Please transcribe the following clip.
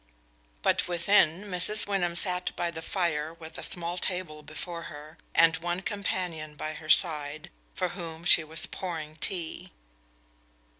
But within, Mrs. Wyndham sat by the fire with a small table before her, and one companion by her side, for whom she was pouring tea.